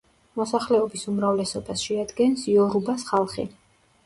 მოსახლეობის უმრავლესობას შეადგენს იორუბას ხალხი.